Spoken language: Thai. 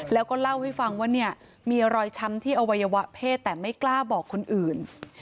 แล้วก็เล่าให้ฟังว่าเนี่ยมีรอยช้ำที่อวัยวะเพศแต่ไม่กล้าบอกคนอื่น